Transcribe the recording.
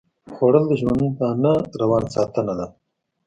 خوړل د ژوندانه روان ساتنه ده